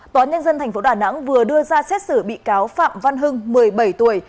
tòa nhân dân tp đà nẵng vừa đưa ra xét xử bị cáo phạm văn hưng một mươi bảy tuổi